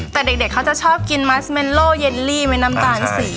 แต่เด็กเขาจะชอบมาสเมลโลเยลลี่เมนามต่างสี